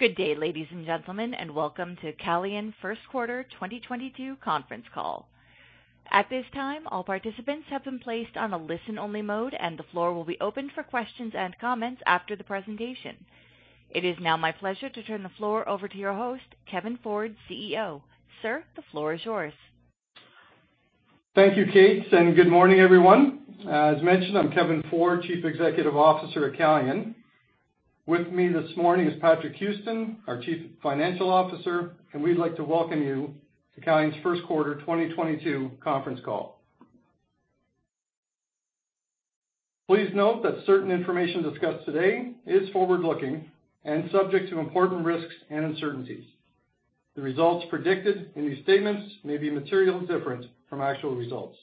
Good day, ladies and gentlemen, and welcome to Calian First Quarter 2022 Conference Call. At this time, all participants have been placed on a listen-only mode, and the floor will be open for questions and comments after the presentation. It is now my pleasure to turn the floor over to your host, Kevin Ford, CEO. Sir, the floor is yours. Thank you, Kate, and good morning, everyone. As mentioned, I'm Kevin Ford, Chief Executive Officer at Calian. With me this morning is Patrick Houston, our Chief Financial Officer, and we'd like to welcome you to Calian's first quarter 2022 conference call. Please note that certain information discussed today is forward-looking and subject to important risks and uncertainties. The results predicted in these statements may be materially different from actual results.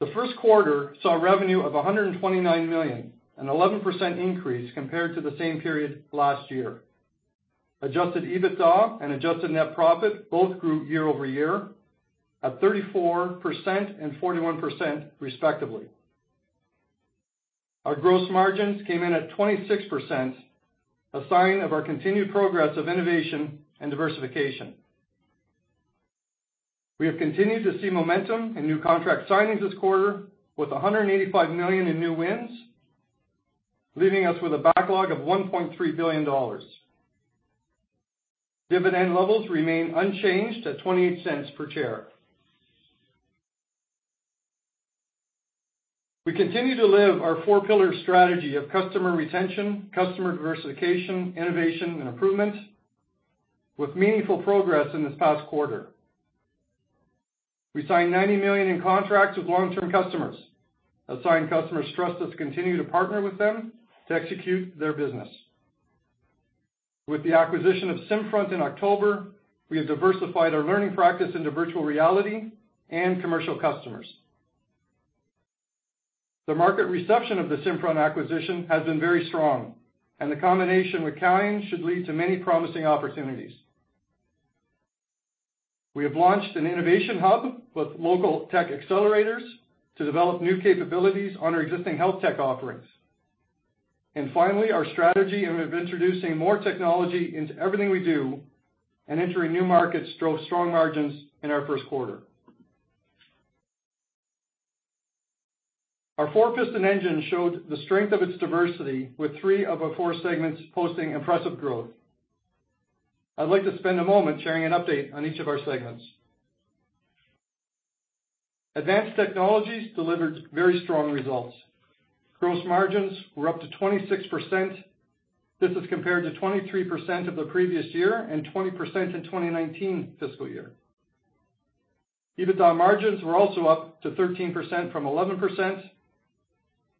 The first quarter saw revenue of 129 million, an 11% increase compared to the same period last year. Adjusted EBITDA and adjusted net profit both grew year over year at 34% and 41% respectively. Our gross margins came in at 26%, a sign of our continued progress of innovation and diversification. We have continued to see momentum in new contract signings this quarter with 185 million in new wins, leaving us with a backlog of 1.3 billion dollars. Dividend levels remain unchanged at 0.28 per share. We continue to live our four pillar strategy of customer retention, customer diversification, innovation, and improvement with meaningful progress in this past quarter. We signed 90 million in contracts with long-term customers as signed customers trust us to continue to partner with them to execute their business. With the acquisition of SimFront in October, we have diversified our learning practice into virtual reality and commercial customers. The market reception of the SimFront acquisition has been very strong, and the combination with Calian should lead to many promising opportunities. We have launched an innovation hub with local tech accelerators to develop new capabilities on our existing health tech offerings. Finally, our strategy of introducing more technology into everything we do and entering new markets drove strong margins in our first quarter. Our four-piston engine showed the strength of its diversity with three of our four segments posting impressive growth. I'd like to spend a moment sharing an update on each of our segments. Advanced Technologies delivered very strong results. Gross margins were up to 26%. This is compared to 23% of the previous year and 20% in 2019 fiscal year. EBITDA margins were also up to 13% from 11%,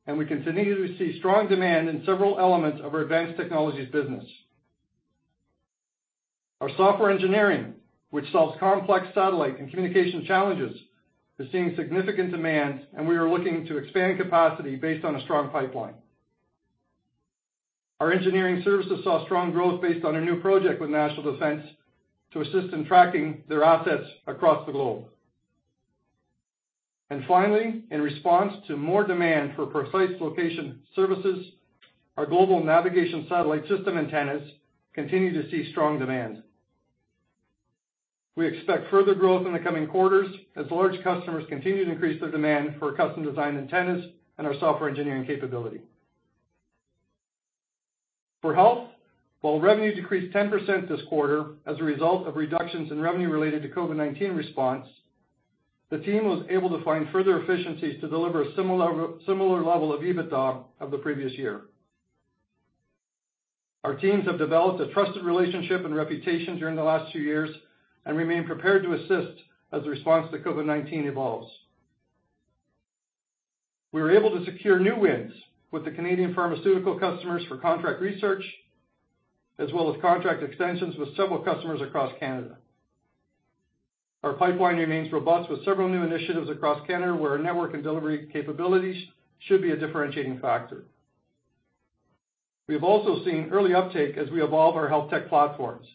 and we continue to see strong demand in several elements of our Advanced Technologies business. Our software engineering, which solves complex satellite and communication challenges, is seeing significant demand, and we are looking to expand capacity based on a strong pipeline. Our engineering services saw strong growth based on a new project with National Defense to assist in tracking their assets across the globe. Finally, in response to more demand for precise location services, our global navigation satellite system antennas continue to see strong demand. We expect further growth in the coming quarters as large customers continue to increase their demand for custom design antennas and our software engineering capability. For health, while revenue decreased 10% this quarter as a result of reductions in revenue related to COVID-19 response, the team was able to find further efficiencies to deliver a similar level of EBITDA of the previous year. Our teams have developed a trusted relationship and reputation during the last two years and remain prepared to assist as the response to COVID-19 evolves. We were able to secure new wins with the Canadian pharmaceutical customers for contract research as well as contract extensions with several customers across Canada. Our pipeline remains robust with several new initiatives across Canada, where our network and delivery capabilities should be a differentiating factor. We have also seen early uptake as we evolve our health tech platforms,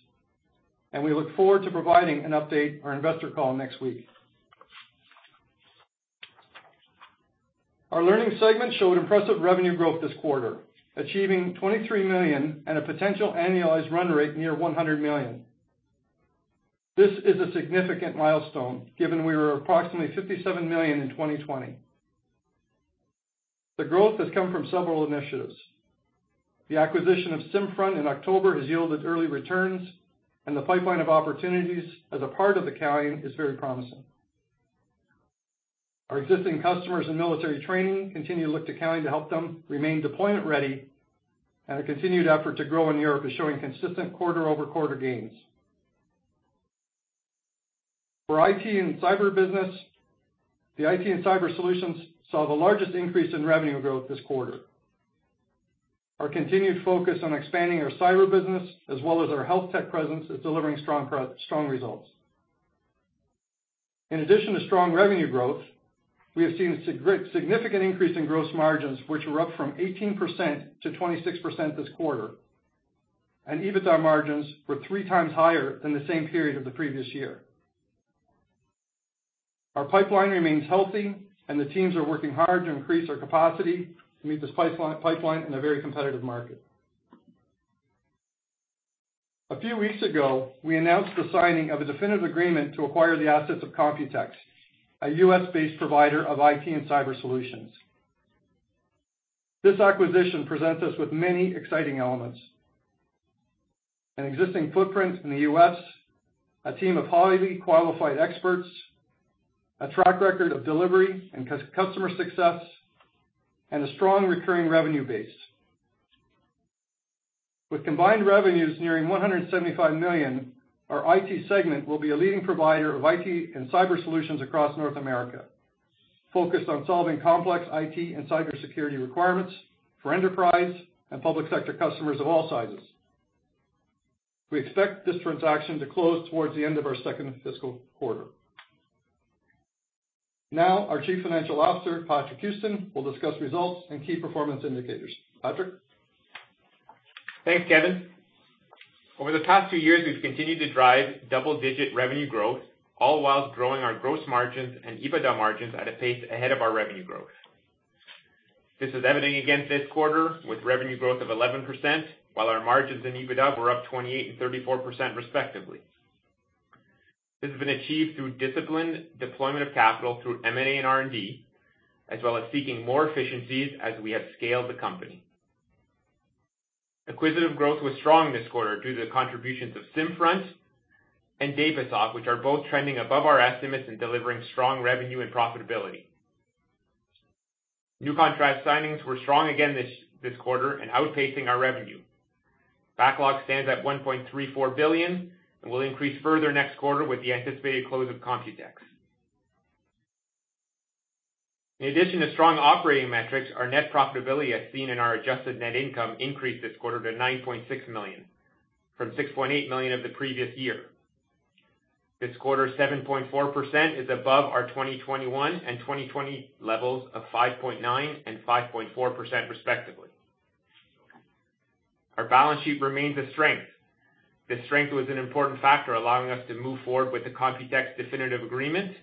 and we look forward to providing an update on our investor call next week. Our learning segment showed impressive revenue growth this quarter, achieving 23 million and a potential annualized run rate near 100 million. This is a significant milestone given we were approximately 57 million in 2020. The growth has come from several initiatives. The acquisition of SimFront in October has yielded early returns, and the pipeline of opportunities as a part of the Calian is very promising. Our existing customers in military training continue to look to Calian to help them remain deployment ready, and a continued effort to grow in Europe is showing consistent quarter-over-quarter gains. For IT and cyber business, the IT and cyber solutions saw the largest increase in revenue growth this quarter. Our continued focus on expanding our cyber business as well as our health tech presence is delivering strong results. In addition to strong revenue growth, we have seen significant increase in gross margins, which were up from 18% to 26% this quarter, and EBITDA margins were three times higher than the same period of the previous year. Our pipeline remains healthy, and the teams are working hard to increase our capacity to meet this pipeline in a very competitive market. A few weeks ago, we announced the signing of a definitive agreement to acquire the assets of Computex, a U.S.-based provider of IT and cyber solutions. This acquisition presents us with many exciting elements, an existing footprint in the U.S., a team of highly qualified experts, a track record of delivery and customer success, and a strong recurring revenue base. With combined revenues nearing 175 million, our IT segment will be a leading provider of IT and cyber solutions across North America, focused on solving complex IT and cybersecurity requirements for enterprise and public sector customers of all sizes. We expect this transaction to close towards the end of our second fiscal quarter. Now, our Chief Financial Officer, Patrick Houston, will discuss results and key performance indicators. Patrick. Thanks, Kevin. Over the past two years, we've continued to drive double-digit revenue growth, all while growing our gross margins and EBITDA margins at a pace ahead of our revenue growth. This is evident again this quarter with revenue growth of 11%, while our margins in EBITDA were up 28% and 34% respectively. This has been achieved through disciplined deployment of capital through M&A and R&D, as well as seeking more efficiencies as we have scaled the company. Acquisitive growth was strong this quarter due to the contributions of SimFront and Dapasoft, which are both trending above our estimates in delivering strong revenue and profitability. New contract signings were strong again this quarter and outpacing our revenue. Backlog stands at 1.34 billion and will increase further next quarter with the anticipated close of Computex. In addition to strong operating metrics, our net profitability, as seen in our adjusted net income, increased this quarter to 9.6 million, from 6.8 million of the previous year. This quarter, 7.4% is above our 2021 and 2020 levels of 5.9% and 5.4% respectively. Our balance sheet remains a strength. This strength was an important factor allowing us to move forward with the Computex definitive agreement.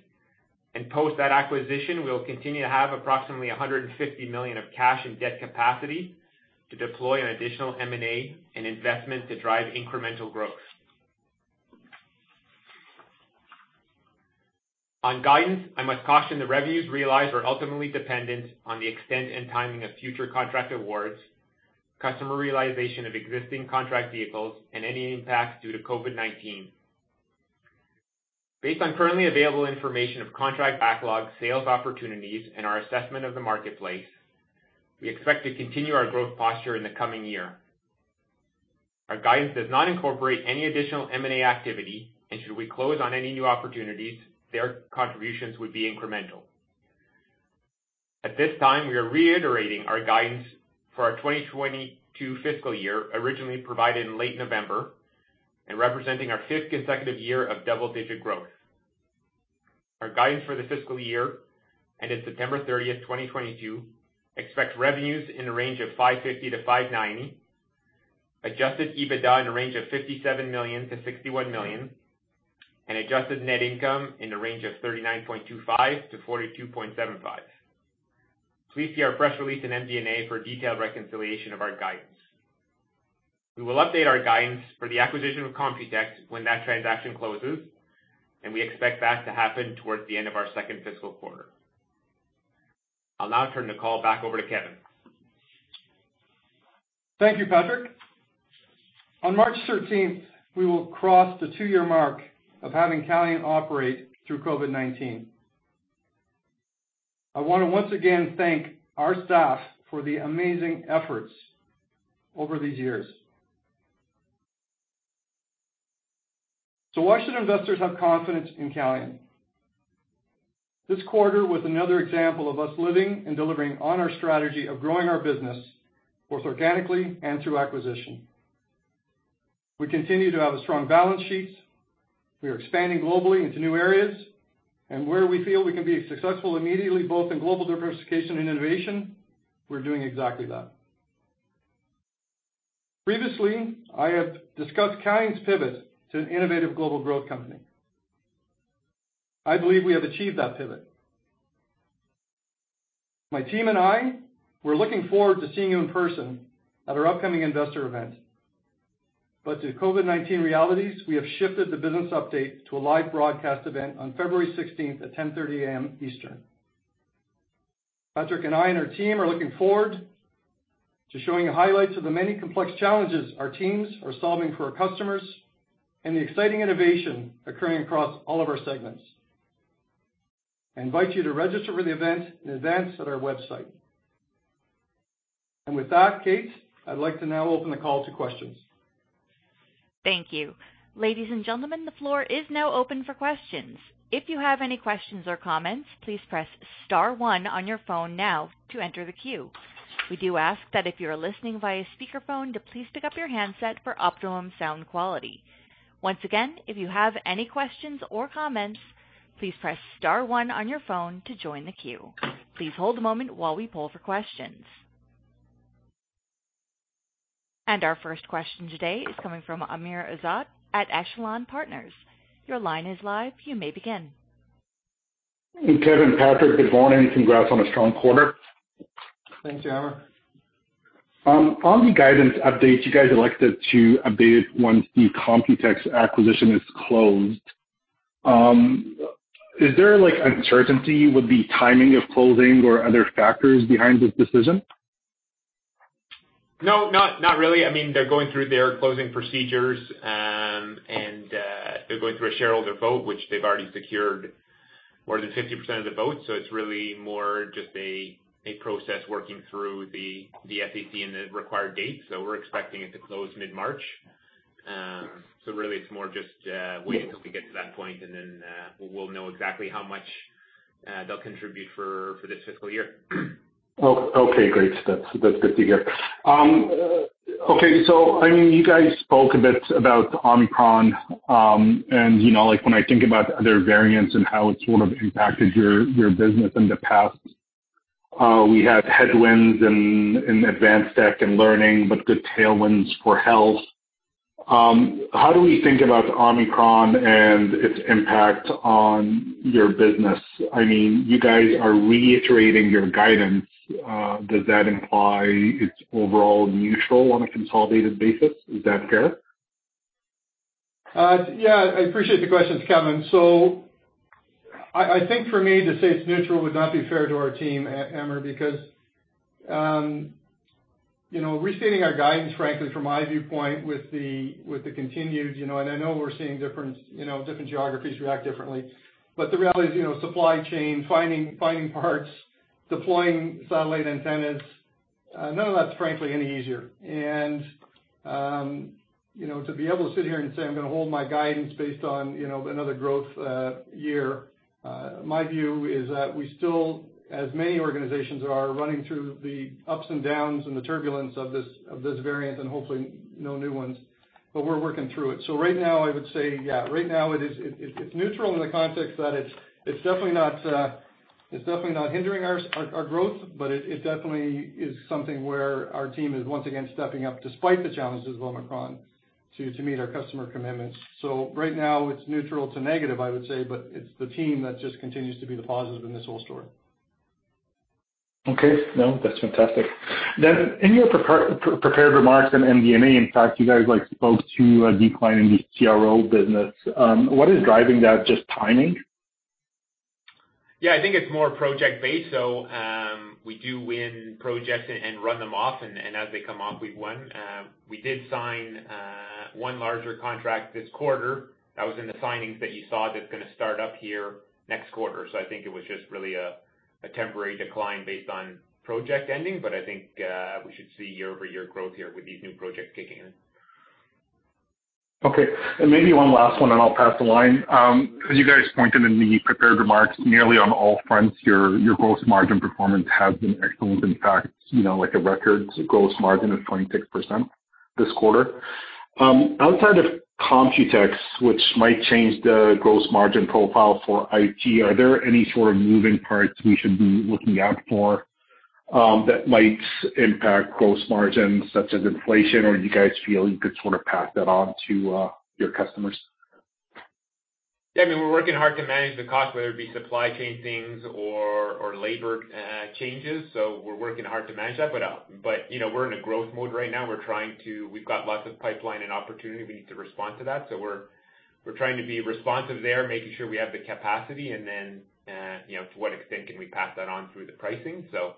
Post that acquisition, we will continue to have approximately 150 million of cash and debt capacity to deploy on additional M&A and investment to drive incremental growth. On guidance, I must caution the revenues realized are ultimately dependent on the extent and timing of future contract awards, customer realization of existing contract vehicles, and any impact due to COVID-19. Based on currently available information of contract backlog, sales opportunities, and our assessment of the marketplace, we expect to continue our growth posture in the coming year. Our guidance does not incorporate any additional M&A activity, and should we close on any new opportunities, their contributions would be incremental. At this time, we are reiterating our guidance for our 2022 fiscal year, originally provided in late November and representing our fifth consecutive year of double-digit growth. Our guidance for the fiscal year, ending September 30, 2022, expects revenues in the range of 550 million-590 million, adjusted EBITDA in the range of 57 million-61 million, and adjusted net income in the range of 39.25 million-42.75 million. Please see our press release in MD&A for a detailed reconciliation of our guidance. We will update our guidance for the acquisition of Computex when that transaction closes, and we expect that to happen towards the end of our second fiscal quarter. I'll now turn the call back over to Kevin. Thank you, Patrick. On March thirteenth, we will cross the two-year mark of having Calian operate through COVID-19. I wanna once again thank our staff for the amazing efforts over these years. Why should investors have confidence in Calian? This quarter was another example of us living and delivering on our strategy of growing our business, both organically and through acquisition. We continue to have a strong balance sheet. We are expanding globally into new areas. Where we feel we can be successful immediately, both in global diversification and innovation, we're doing exactly that. Previously, I have discussed Calian's pivot to an innovative global growth company. I believe we have achieved that pivot. My team and I, we're looking forward to seeing you in person at our upcoming investor event. Due to COVID-19 realities, we have shifted the business update to a live broadcast event on February 16 at 10:30 A.M. Eastern. Patrick and I and our team are looking forward to showing you highlights of the many complex challenges our teams are solving for our customers and the exciting innovation occurring across all of our segments. I invite you to register for the event in advance at our website. With that, Kate, I'd like to now open the call to questions. Thank you. Ladies and gentlemen, the floor is now open for questions. If you have any questions or comments, please press star one on your phone now to enter the queue. We do ask that if you are listening via speaker phone, to please pick up your handset for optimum sound quality. Once again, if you have any questions or comments, please press star one on your phone to join the queue. Please hold a moment while we poll for questions. Our first question today is coming from Amr Ezzat at Echelon Capital Markets. Your line is live. You may begin. Kevin, Patrick, good morning. Congrats on a strong quarter. Thanks, Amr. On the guidance update, you guys elected to update it once the Computex acquisition is closed. Is there like uncertainty with the timing of closing or other factors behind this decision? No, not really. I mean, they're going through their closing procedures and a shareholder vote, which they've already secured more than 50% of the votes, so it's really more just a process working through the SEC and the required dates. We're expecting it to close mid-March. Really, it's more just wait until we get to that point, and then we'll know exactly how much they'll contribute for this fiscal year. Okay, great. That's good to hear. You guys spoke a bit about Omicron, and you know, like when I think about other variants and how it's sort of impacted your business in the past, we had headwinds in advanced tech and learning, but good tailwinds for health. How do we think about Omicron and its impact on your business? I mean, you guys are reiterating your guidance. Does that imply it's overall neutral on a consolidated basis? Is that fair? Yeah, I appreciate the question, Kevin. I think for me to say it's neutral would not be fair to our team, Amr, because you know, restating our guidance, frankly, from my viewpoint with the continued, you know, and I know we're seeing different, you know, different geographies react differently. The reality is, you know, supply chain, finding parts, deploying satellite antennas, none of that's frankly any easier. You know, to be able to sit here and say, I'm gonna hold my guidance based on, you know, another growth year, my view is that we still, as many organizations are, running through the ups and downs and the turbulence of this variant and hopefully no new ones, but we're working through it. Right now I would say, yeah. Right now it is neutral in the context that it's definitely not hindering our growth, but it definitely is something where our team is once again stepping up despite the challenges of Omicron to meet our customer commitments. Right now it's neutral to negative, I would say, but it's the team that just continues to be the positive in this whole story. Okay. No, that's fantastic. In your prepared remarks, in MD&A, in fact, you guys like spoke to a decline in the CRO business. What is driving that, just timing? Yeah. I think it's more project based, so we do win projects and run them off, and as they come off, we've won. We did sign one larger contract this quarter. That was in the signings that you saw that's gonna start up here next quarter. I think it was just really a temporary decline based on project ending. I think we should see year-over-year growth here with these new projects kicking in. Okay. Maybe one last one, and I'll pass the line. As you guys pointed in the prepared remarks, nearly on all fronts, your gross margin performance has been excellent. In fact, you know, like a record gross margin of 26% this quarter. Outside of Computex, which might change the gross margin profile for IT, are there any sort of moving parts we should be looking out for that might impact gross margins such as inflation or do you guys feel you could sort of pass that on to your customers? Yeah. I mean, we're working hard to manage the cost, whether it be supply chain things or labor changes. So we're working hard to manage that. But you know, we're in a growth mode right now. We've got lots of pipeline and opportunity, we need to respond to that. So we're trying to be responsive there, making sure we have the capacity and then you know, to what extent can we pass that on through the pricing. So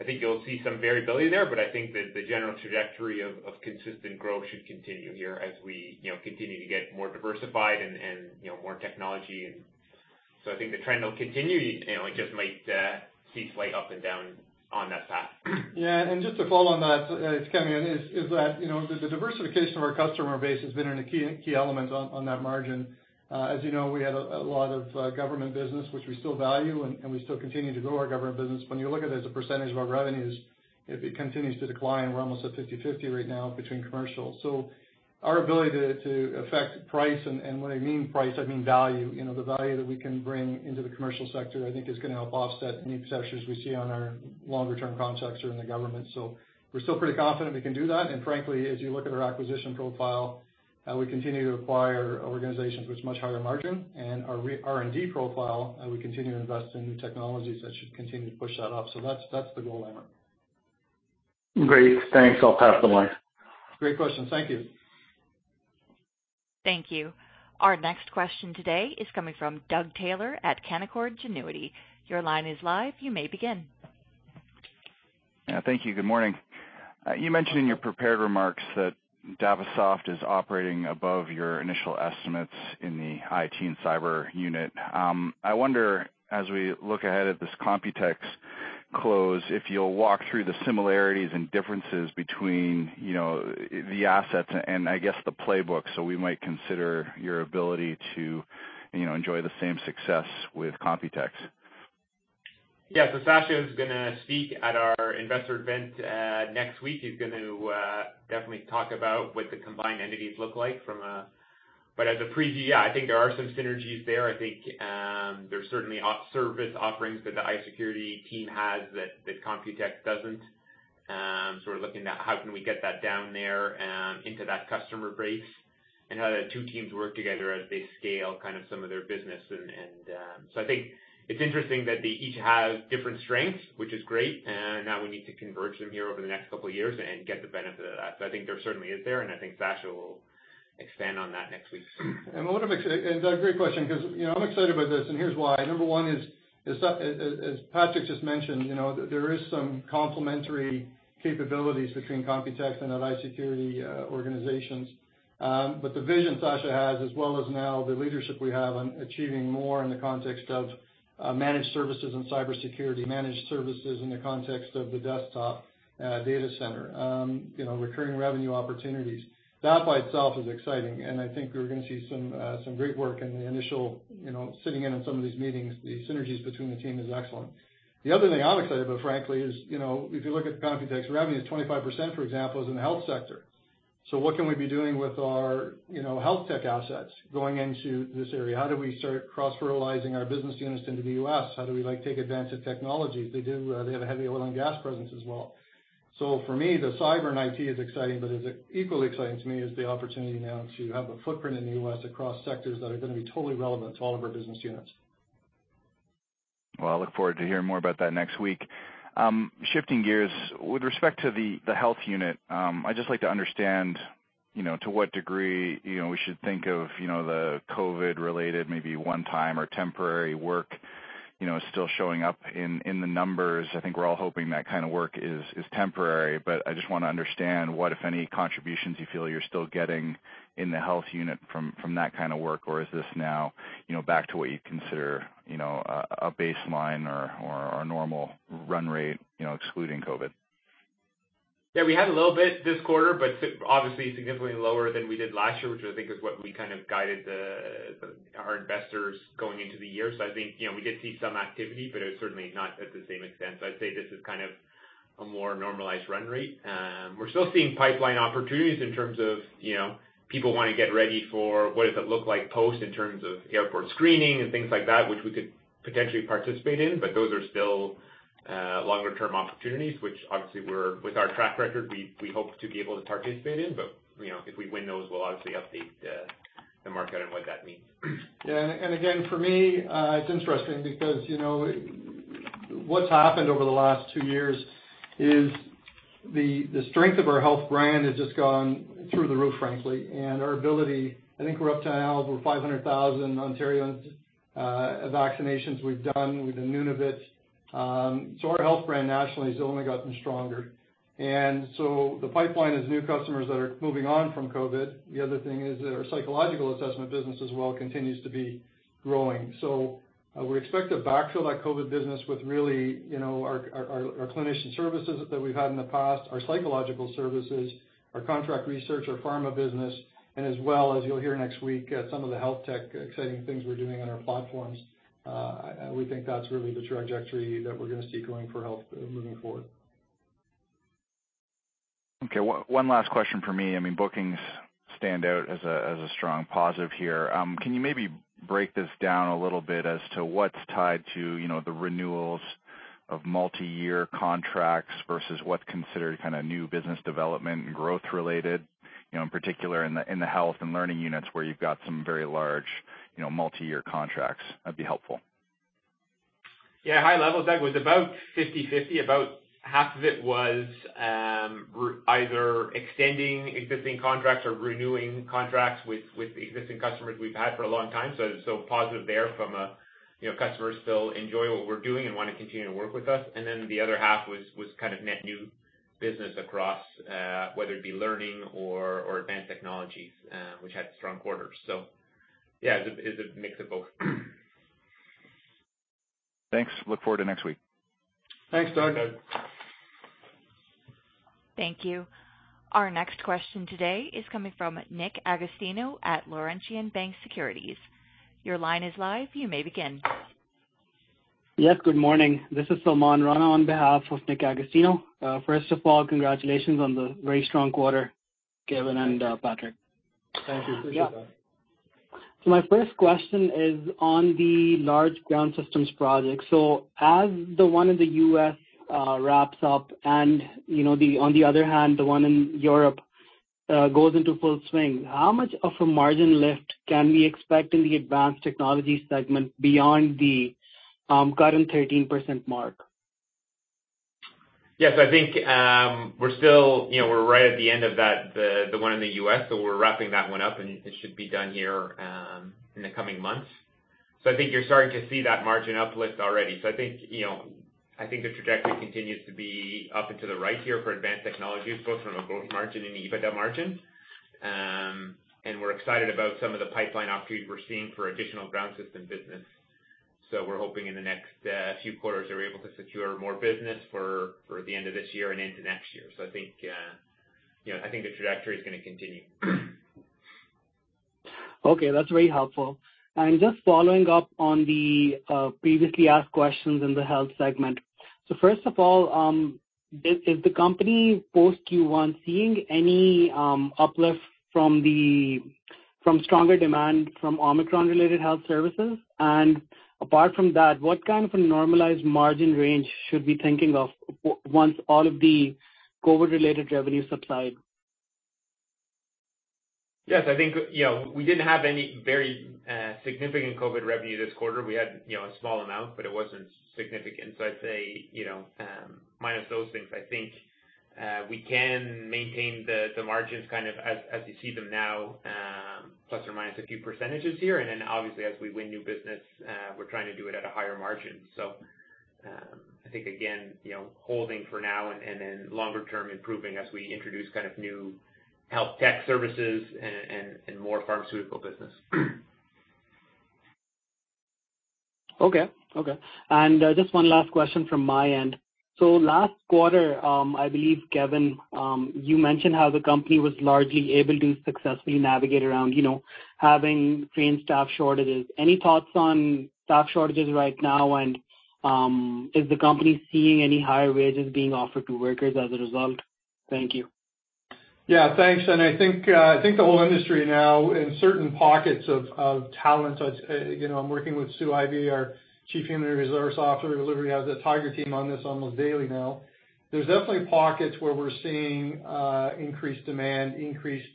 I think you'll see some variability there, but I think the general trajectory of consistent growth should continue here as we you know, continue to get more diversified and you know, more technology. I think the trend will continue. You know, it just might see slight up and down on that path. Just to follow on that, Kevin, is that the diversification of our customer base has been a key element on that margin. As you know, we had a lot of government business which we still value and we still continue to grow our government business. When you look at it as a percentage of our revenues, it continues to decline. We're almost at 50/50 right now between commercial. Our ability to affect price and when I mean price, I mean value. You know, the value that we can bring into the commercial sector, I think is gonna help offset any pressures we see on our longer term contracts or in the government. We're still pretty confident we can do that. Frankly, as you look at our acquisition profile, we continue to acquire organizations with much higher margin and our R&D profile, we continue to invest in new technologies that should continue to push that up. That's the goal, Amr. Great. Thanks. I'll pass the line. Great question. Thank you. Thank you. Our next question today is coming from Doug Taylor at Canaccord Genuity. Your line is live. You may begin. Yeah, thank you. Good morning. You mentioned in your prepared remarks that Dapasoft is operating above your initial estimates in the IT and Cyber unit. I wonder, as we look ahead at this Computex close, if you'll walk through the similarities and differences between, you know, the assets and I guess the playbook, so we might consider your ability to, you know, enjoy the same success with Computex. Yeah. Sacha is gonna speak at our investor event next week. He's going to definitely talk about what the combined entities look like. As a preview, yeah, I think there are some synergies there. I think there's certainly other service offerings that the iSecurity team has that Computex doesn't. We're looking at how we can get that down there into that customer base and how the two teams work together as they scale kind of some of their business and. I think it's interesting that they each have different strengths, which is great, and now we need to converge them here over the next couple of years and get the benefit of that. I think there certainly is there, and I think Sacha will expand on that next week. Doug, great question 'cause, you know, I'm excited about this, and here's why. Number one is as Patrick just mentioned, you know, there is some complementary capabilities between Computex and the iSecurity organizations. But the vision Sacha has as well as now the leadership we have on achieving more in the context of managed services and cybersecurity, managed services in the context of the desktop, data center, you know, recurring revenue opportunities. That by itself is exciting, and I think we're gonna see some some great work in the initial, you know, sitting in on some of these meetings, the synergies between the team is excellent. The other thing I'm excited about, frankly, is, you know, if you look at Computex revenue, 25%, for example, is in the health sector. What can we be doing with our, you know, health tech assets going into this area? How do we start cross-fertilizing our business units into the U.S.? How do we, like, take advantage of technologies? They have a heavy oil and gas presence as well. For me, the cyber and IT is exciting, but as equally exciting to me is the opportunity now to have a footprint in the U.S. across sectors that are gonna be totally relevant to all of our business units. Well, I look forward to hearing more about that next week. Shifting gears. With respect to the health unit, I'd just like to understand, you know, to what degree, you know, we should think of, you know, the COVID-related maybe one time or temporary work, you know, still showing up in the numbers. I think we're all hoping that kind of work is temporary, but I just wanna understand what, if any, contributions you feel you're still getting in the health unit from that kind of work. Or is this now, you know, back to what you'd consider, you know, a baseline or a normal run rate, you know, excluding COVID? Yeah, we had a little bit this quarter, but obviously significantly lower than we did last year, which I think is what we kind of guided our investors going into the year. I think, you know, we did see some activity, but it was certainly not at the same extent. I'd say this is kind of a more normalized run rate. We're still seeing pipeline opportunities in terms of, you know, people wanna get ready for what does it look like post in terms of airport screening and things like that, which we could potentially participate in, but those are still longer term opportunities, which obviously with our track record, we hope to be able to participate in. You know, if we win those, we'll obviously update the market on what that means. Yeah. Again for me, it's interesting because, you know, what's happened over the last two years is the strength of our health brand has just gone through the roof, frankly. Our ability. I think we're up to now over 500,000 Ontario vaccinations we've done. We've done Nunavut. Our health brand nationally has only gotten stronger. The pipeline is new customers that are moving on from COVID. The other thing is that our psychological assessment business as well continues to be growing. We expect to backfill that COVID business with really, you know, our clinician services that we've had in the past, our psychological services, our contract research, our pharma business, and as well, as you'll hear next week, some of the health tech exciting things we're doing on our platforms. We think that's really the trajectory that we're gonna see going for health moving forward. Okay, one last question from me. I mean, bookings stand out as a strong positive here. Can you maybe break this down a little bit as to what's tied to, you know, the renewals of multi-year contracts versus what's considered kinda new business development and growth related? You know, in particular in the health and learning units where you've got some very large, you know, multi-year contracts. That'd be helpful. Yeah. High level, Doug, was about 50/50. About half of it was either extending existing contracts or renewing contracts with existing customers we've had for a long time. Positive there from, you know, customers still enjoy what we're doing and wanna continue to work with us. The other half was kind of net new business across whether it be learning or Advanced Technologies, which had strong quarters. Yeah, it's a mix of both. Thanks. I look forward to next week. Thanks, Doug. Thanks. Thank you. Our next question today is coming from Nick Agostino at Laurentian Bank Securities. Your line is live. You may begin. Yes, good morning. This is Salman Rana on behalf of Nick Agostino. First of all, congratulations on the very strong quarter, Kevin and Patrick. Thank you. Yeah. My first question is on the large ground systems project. As the one in the U.S. wraps up and, on the other hand, the one in Europe goes into full swing, how much of a margin lift can we expect in the Advanced Technologies segment beyond the current 13% mark? Yes. I think we're still, you know, we're right at the end of that, the one in the U.S., so we're wrapping that one up, and it should be done here in the coming months. I think you're starting to see that margin uplift already. I think, you know, I think the trajectory continues to be up and to the right here for Advanced Technologies, both from a growth margin and EBITDA margin. We're excited about some of the pipeline opportunities we're seeing for additional ground systems business. We're hoping in the next few quarters we're able to secure more business for the end of this year and into next year. I think, you know, I think the trajectory is gonna continue. Okay, that's very helpful. Just following up on the previously asked questions in the health segment. First of all, is the company post Q1 seeing any uplift from stronger demand from Omicron related health services? Apart from that, what kind of a normalized margin range should we thinking of once all of the COVID related revenues subside? Yes. I think, you know, we didn't have any very significant COVID revenue this quarter. We had, you know, a small amount, but it wasn't significant. I'd say, you know, minus those things, I think we can maintain the margins kind of as you see them now, plus or minus a few percentages here. Then obviously as we win new business, we're trying to do it at a higher margin. I think again, you know, holding for now and then longer term improving as we introduce kind of new health tech services and more pharmaceutical business. Okay. Just one last question from my end. Last quarter, I believe, Kevin, you mentioned how the company was largely able to successfully navigate around, you know, having trained staff shortages. Any thoughts on staff shortages right now? Is the company seeing any higher wages being offered to workers as a result? Thank you. Yeah, thanks. I think the whole industry now in certain pockets of talent, you know, I'm working with Sue Ivay, our Chief Human Resources Officer, literally has a tiger team on this almost daily now. There's definitely pockets where we're seeing increased demand, increased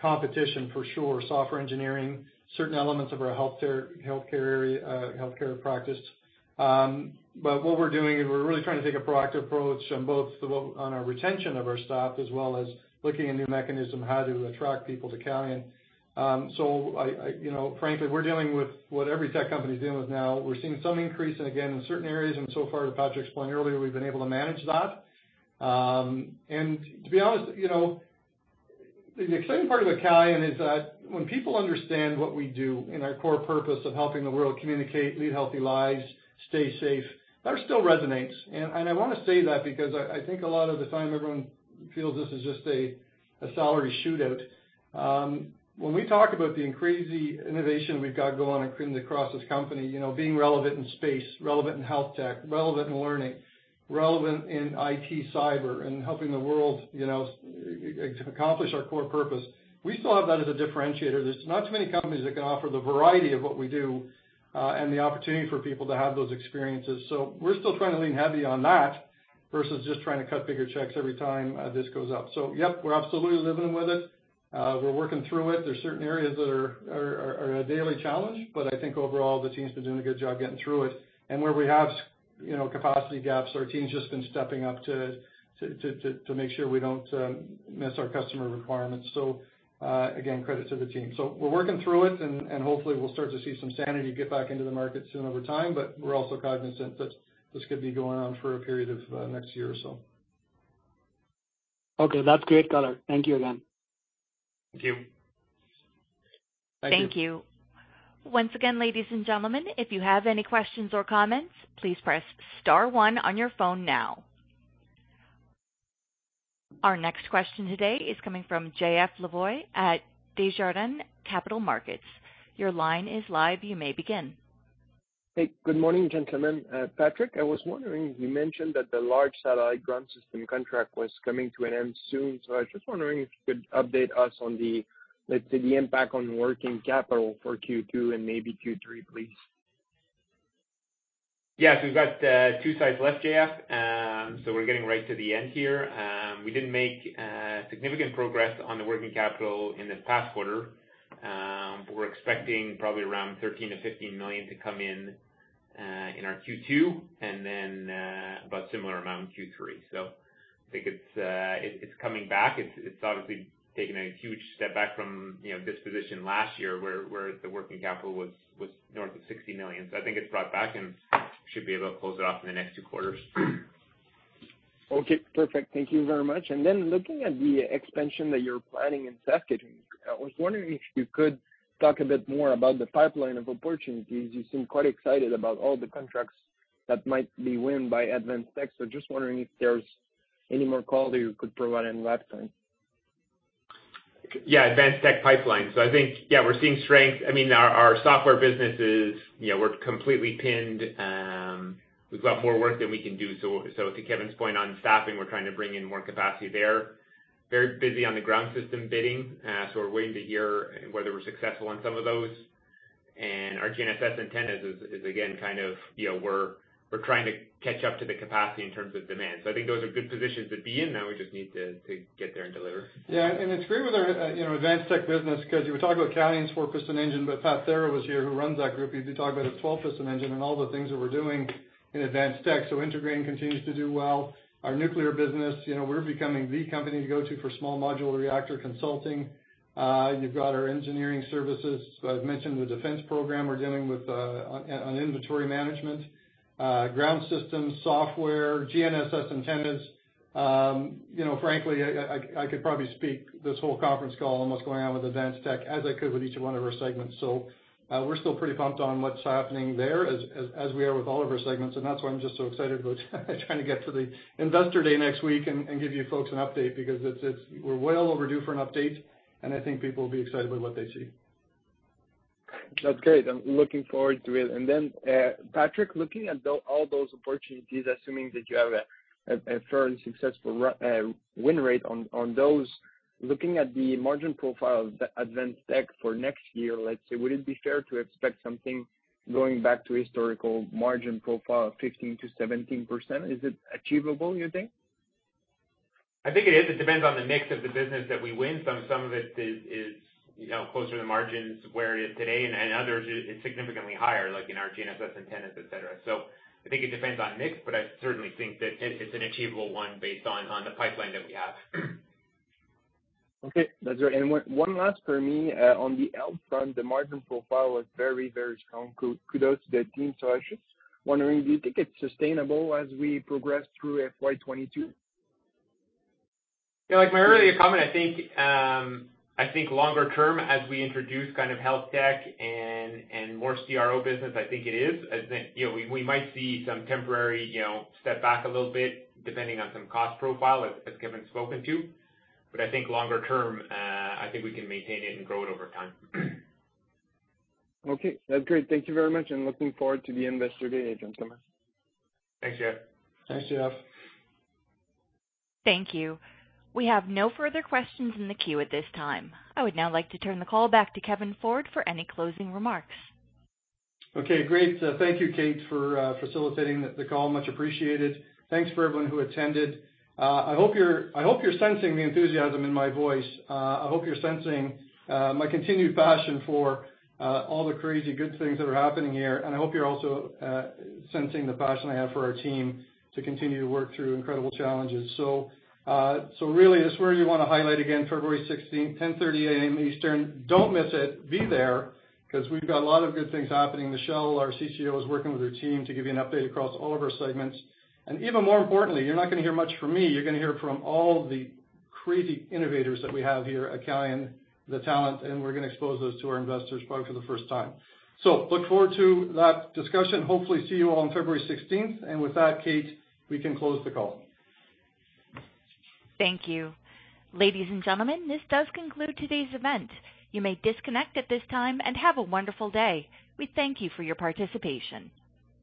competition for sure, software engineering, certain elements of our healthcare area, healthcare practice. What we're doing is we're really trying to take a proactive approach on both on our retention of our staff, as well as looking at new mechanism, how to attract people to Calian. You know, frankly, we're dealing with what every tech company is dealing with now. We're seeing some increase and again, in certain areas, and so far as Patrick explained earlier, we've been able to manage that. To be honest, you know, the exciting part of a Calian is that when people understand what we do and our core purpose of helping the world communicate, lead healthy lives, stay safe, that still resonates. I wanna say that because I think a lot of the time everyone feels this is just a salary shootout. When we talk about the crazy innovation we've got going on and creating across this company, you know, being relevant in space, relevant in health tech, relevant in learning, relevant in IT cyber and helping the world, you know, accomplish our core purpose, we still have that as a differentiator. There's not too many companies that can offer the variety of what we do, and the opportunity for people to have those experiences. We're still trying to lean heavy on that versus just trying to cut bigger checks every time this goes up. Yep, we're absolutely living with it. We're working through it. There's certain areas that are a daily challenge, but I think overall the team's been doing a good job getting through it. Where we have, you know, capacity gaps, our team's just been stepping up to make sure we don't miss our customer requirements. Again, credit to the team. We're working through it and hopefully we'll start to see some sanity get back into the market soon over time, but we're also cognizant that this could be going on for a period of next year or so. Okay. That's great color. Thank you again. Thank you. Thank you. Thank you. Once again, ladies and gentlemen, if you have any questions or comments, please press star one on your phone now. Our next question today is coming from J.F. Lavoie at Desjardins Capital Markets. Your line is live, you may begin. Hey, good morning, gentlemen. Patrick, I was wondering, you mentioned that the large satellite ground system contract was coming to an end soon. I was just wondering if you could update us on the, let's say, the impact on working capital for Q2 and maybe Q3, please. We've got two sites left, J.F., so we're getting right to the end here. We didn't make significant progress on the working capital in this past quarter. We're expecting probably around 13 million-15 million to come in in our Q2 and then about similar amount in Q3. I think it's coming back. It's obviously taken a huge step back from, you know, this position last year where the working capital was north of 60 million. I think it's brought back and should be able to close it off in the next two quarters. Okay, perfect. Thank you very much. Looking at the expansion that you're planning in Saskatchewan, I was wondering if you could talk a bit more about the pipeline of opportunities. You seem quite excited about all the contracts that might be won by Advanced Tech. Just wondering if there's any more color you could provide on that front. Yeah, Advanced Tech pipeline. I think, yeah, we're seeing strength. I mean, our software business is, you know, we're completely pinned. We've got more work than we can do. To Kevin's point on staffing, we're trying to bring in more capacity there. Very busy on the ground system bidding. We're waiting to hear whether we're successful on some of those. Our GNSS antennas is again, kind of, you know, we're trying to catch up to the capacity in terms of demand. I think those are good positions to be in. Now we just need to get there and deliver. Yeah. It's great with our you know Advanced Tech business because you would talk about Calian's 4-piston engine, but Pat Thera was here, who runs that group. He'd be talking about a 12-piston engine and all the things that we're doing in Advanced Tech. Integrating continues to do well. Our nuclear business, you know, we're becoming the company to go to for small modular reactor consulting. You've got our engineering services. I've mentioned the defense program we're doing with on inventory management, ground systems, software, GNSS antennas. You know, frankly, I could probably speak this whole conference call on what's going on with Advanced Tech as I could with each one of our segments. We're still pretty pumped on what's happening there as we are with all of our segments, and that's why I'm just so excited about trying to get to the investor day next week and give you folks an update because it's we're well overdue for an update, and I think people will be excited with what they see. That's great. I'm looking forward to it. Then, Patrick, looking at those opportunities, assuming that you have a firm successful win rate on those, looking at the margin profile of the Advanced Tech for next year, let's say, would it be fair to expect something going back to historical margin profile of 15%-17%? Is it achievable, you think? I think it is. It depends on the mix of the business that we win. Some of it is, you know, closer to the margins where it is today, and others it's significantly higher, like in our GNSS antennas, et cetera. I think it depends on mix, but I certainly think that it's an achievable one based on the pipeline that we have. Okay. That's right. One last for me on the health front, the margin profile was very, very strong. Kudos to the team. I was just wondering, do you think it's sustainable as we progress through FY 2022? Yeah, like my earlier comment, I think, I think longer term as we introduce kind of health tech and more CRO business, I think it is. I think, you know, we might see some temporary, you know, setback a little bit depending on some cost profile as Kevin spoke to. But I think longer term, I think we can maintain it and grow it over time. Okay. That's great. Thank you very much, and looking forward to the Investor Day in September. Thanks, J.F. Thanks, J.F. Thank you. We have no further questions in the queue at this time. I would now like to turn the call back to Kevin Ford for any closing remarks. Okay, great. Thank you, Kate, for facilitating the call. Much appreciated. Thanks for everyone who attended. I hope you're sensing the enthusiasm in my voice. I hope you're sensing my continued passion for all the crazy good things that are happening here, and I hope you're also sensing the passion I have for our team to continue to work through incredible challenges. Really this is where you wanna highlight again February sixteenth, 10:30 A.M. Eastern. Don't miss it. Be there, 'cause we've got a lot of good things happening. Michelle, our CCO, is working with her team to give you an update across all of our segments. Even more importantly, you're not gonna hear much from me. You're gonna hear from all the crazy innovators that we have here at Calian, the talent, and we're gonna expose those to our investors probably for the first time. So look forward to that discussion. Hopefully see you all on February sixteenth. With that, Kate, we can close the call. Thank you. Ladies and gentlemen, this does conclude today's event. You may disconnect at this time, and have a wonderful day. We thank you for your participation.